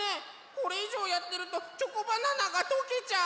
これいじょうやってるとチョコバナナがとけちゃう！